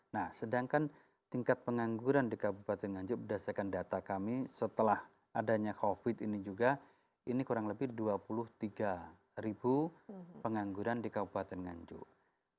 nah sedangkan tingkat pengangguran di kabupaten nganjuk berdasarkan data kami setelah adanya covid ini juga ini kurang lebih dua puluh tiga ribu pengangguran di kabupaten nganjuk